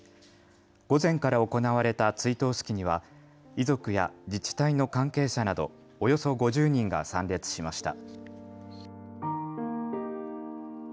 午前から行われた追悼式には遺族や自治体の関係者などおよそ５０人が参列しました。